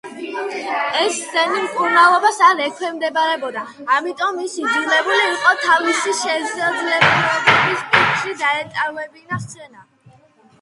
ეს სენი მკურნალობას არ ექვემდებარებოდა, ამიტომ ის იძულებული იყო თავისი შესაძლებლობის პიკში დაეტოვებინა სცენა.